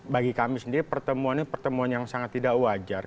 bagi kami sendiri pertemuan ini pertemuan yang sangat tidak wajar